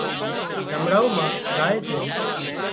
زمڙائو مان زائي سي